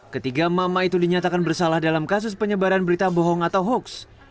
ketiga mama itu dinyatakan bersalah dalam kasus penyebaran berita bohong atau hoax